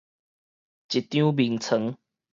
一張眠床